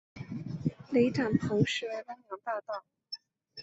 雷展鹏实为汪洋大盗。